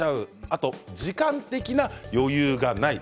あと、時間的余裕がない。